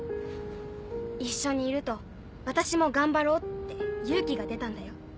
一緒にいると私も頑張ろうって勇気が出たんだよ。